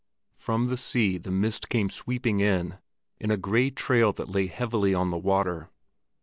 From the sea the mist came sweeping in, in a gray trail that lay heavily on the water.